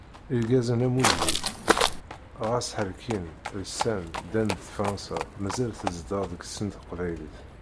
Irgazen am wigi, ɣas ḥerkin, lsan, ddan d Fransa, mazal tezdeɣ deg-sen teqbaylit.